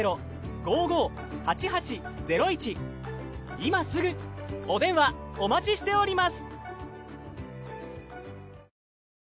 今すぐお電話お待ちしております。